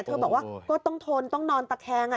บอกว่าก็ต้องทนต้องนอนตะแคง